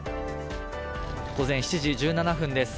午前７時１７分です。